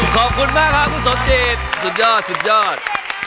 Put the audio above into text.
ขอบคุณมากครับคุณสมจิตสุดยอดสุดยอด